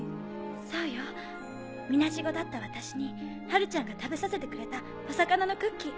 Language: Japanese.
そうよみなしごだった私にハルちゃんが食べさせてくれたお魚のクッキー。